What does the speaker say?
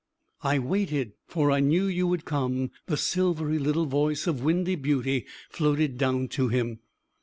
"I waited, for I knew you would come," the silvery little voice of windy beauty floated down to him.